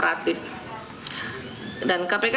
namun dengan apa saja